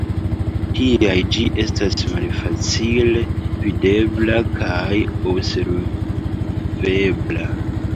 Tial ĝi estas malfacile videbla kaj observebla.